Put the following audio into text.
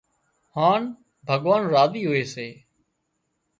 هانَ ڀڳوان راضي هوئي سي